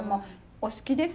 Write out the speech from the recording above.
大好きです。